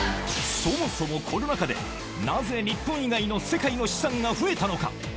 そもそもコロナ禍で、なぜ日本以外の世界の資産が増えたのか。